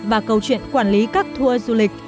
và câu chuyện quản lý các thua du lịch